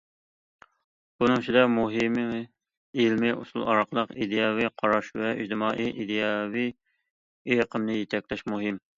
بۇنىڭ ئىچىدە، مۇھىمى، ئىلمىي ئۇسۇل ئارقىلىق ئىدىيەۋى قاراش ۋە ئىجتىمائىي ئىدىيەۋى ئېقىمنى يېتەكلەش مۇھىم.